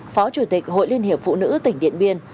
phó chủ tịch hội liên hiệp phụ nữ tỉnh điện biên